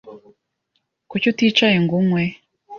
Kuki uticaye ngo unywe?